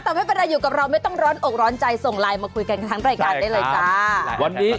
แต่ไม่เป็นไรอยู่กับเราไม่ต้องร้อนอกร้อนใจส่งไลน์มาคุยกันกันทั้งรายการได้เลยจ้าวันนี้